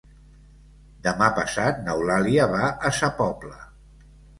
Demà passat n'Eulàlia va a Sa Pobla.